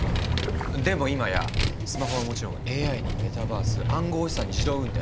でも今やスマホはもちろんＡＩにメタバース暗号資産に自動運転